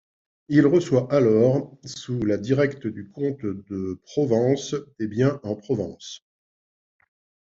Il reçoit alors, sous la directe du comte de Provence, des biens en Provence.